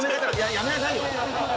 やめなさいよ